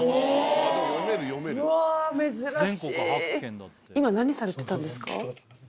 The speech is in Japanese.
うわ珍しい。